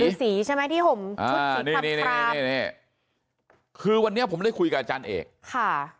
ฤษีใช่ไหมที่ห่มชุดสีดำนี่คือวันนี้ผมได้คุยกับอาจารย์เอกค่ะ